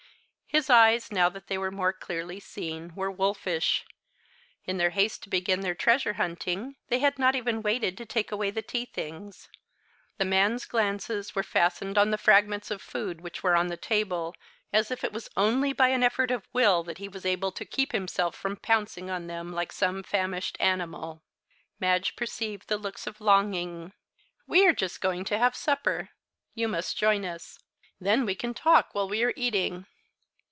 His eyes, now that they were more clearly seen, were wolfish. In their haste to begin their treasure hunting they had not even waited to take away the tea things. The man's glances were fastened on the fragments of food which were on the table, as if it was only by an effort of will that he was able to keep himself from pouncing on them like some famished animal. Madge perceived the looks of longing. "We are just going to have supper. You must join us. Then we can talk while we are eating.